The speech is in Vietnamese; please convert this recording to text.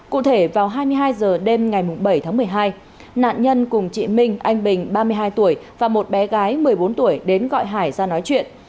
cụ thể vào hai mươi hai h đêm ngày bảy tháng một mươi hai nạn nhân cùng chị minh anh bình ba mươi hai tuổi và một bé gái một mươi bốn tuổi đến gọi hải ra nói chuyện